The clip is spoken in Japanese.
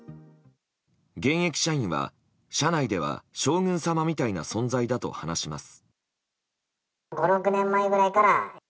現役社員は、社内では将軍様みたいな存在だと話します。